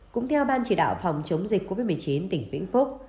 cũng theo ban chỉ đạo phòng chống dịch covid một mươi chín tỉnh vĩnh phúc